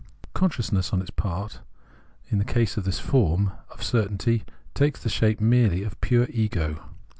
Consciousness, on its part, in the case of this form of certainty, takes the shape merely of pure Ego.